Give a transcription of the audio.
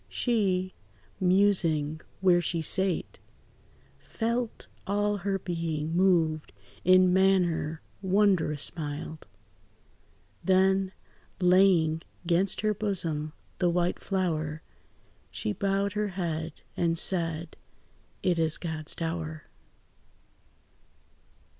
She, musing where she sate, Felt all her being moved in manner wondrous mild; Then, laying 'gainst her bosom the white flower, She bowed her head, and said, "It is God's dower."